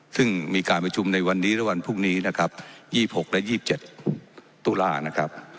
ซึ่งมีการประชุมในวันนี้และวันพรุ่งนี้นะครับ๒๖และ๒๗ตุลานะครับ